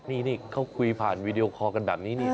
นี่เขาคุยผ่านวีดีโอคอลกันแบบนี้นี่